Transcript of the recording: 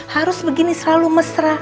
harus begini selalu mesra